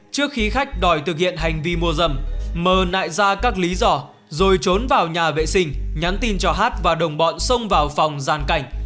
trước khi khách đòi thực hiện hành vi mua dâm mờ nại ra các lý do rồi trốn vào nhà vệ sinh nhắn tin cho hát và đồng bọn xông vào phòng gian cảnh